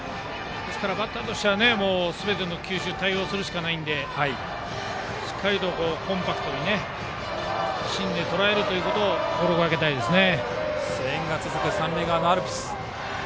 バッターとしてはすべての球種に対応するしかないのでしっかりとコンパクトに芯でとらえるということを心がけたいですね。